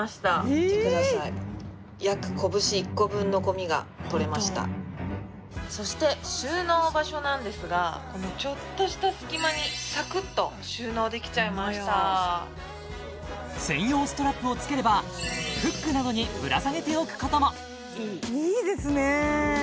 見てくださいそして収納場所なんですがこのちょっとした隙間にサクっと収納できちゃいました専用ストラップを付ければフックなどにぶら下げておくこともいいいいですね